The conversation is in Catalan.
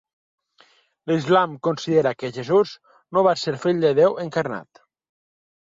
L'islam considera que Jesús no va ser el Fill de Déu encarnat.